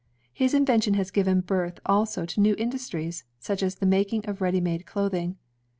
His invention has given birth also to new industries, such as the making of ready made clothing.